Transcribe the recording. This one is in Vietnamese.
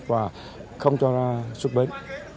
và không cho ra xuất bến